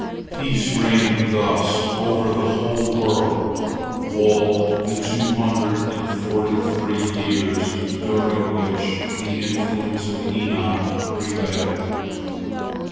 Peace reigned thus over the whole world all the two hundred and forty three years during which the influence of Enoch prevailed.